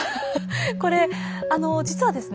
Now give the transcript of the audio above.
これ実はですね